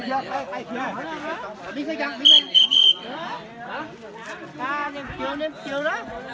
พ่อหนูเป็นใคร